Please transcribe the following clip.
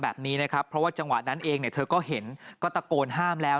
มันเพราะคนดิแทงอีกร้อยขึ้นรถชายมาก